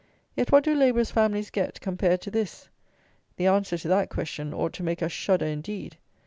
Yet what do labourers' families get, compared to this? The answer to that question ought to make us shudder indeed.